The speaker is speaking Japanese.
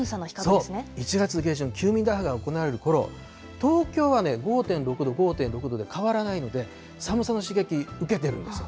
１月下旬、休眠打破が行われるころ、東京は５．６度、５．６度で変わらないので、寒さの刺激、受けているんですよ。